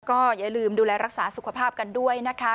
ก็อย่าลืมดูแลรักษาสุขภาพกันด้วยนะคะ